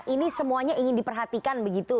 ini semuanya ingin diperhatikan begitu